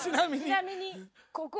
ちなみに。